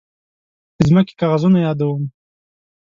د ځمکې کاغذونه يادوم.